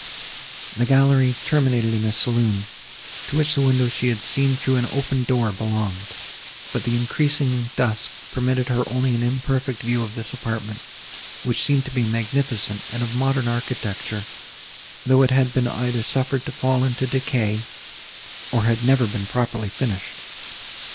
The gallery terminated in a saloon, to which the window she had seen through an open door, belonged; but the increasing dusk permitted her only an imperfect view of this apartment, which seemed to be magnificent and of modern architecture; though it had been either suffered to fall into decay, or had never been properly finished.